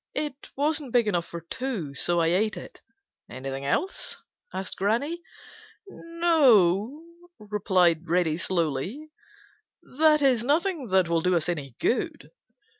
"It wasn't big enough for two, so I ate it." "Anything else?" asked Granny. "No o," replied Reddy slowly; "that is, nothing that will do us any good.